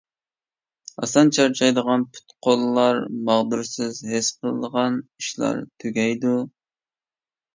ئاسان چارچايدىغان، پۇت-قوللار ماغدۇرسىز ھېس قىلىدىغان ئىشلار تۈگەيدۇ.